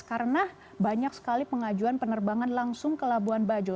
karena banyak sekali pengajuan penerbangan langsung ke labuan bajo